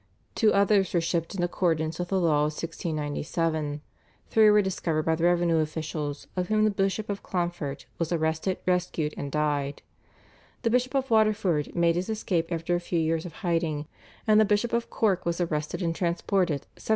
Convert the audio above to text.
Two others were shipped in accordance with the law of 1697; three were discovered by the revenue officials, of whom the Bishop of Clonfert was arrested, rescued, and died; the Bishop of Waterford made his escape after a few years of hiding, and the Bishop of Cork was arrested and transported (1703).